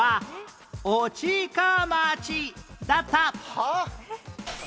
はあ？